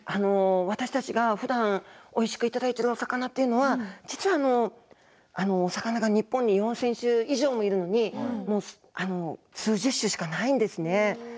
私たちがふだんおいしくいただいているお魚というのは実は魚が日本に４０００種類以上いるのに数十種しかないんですね。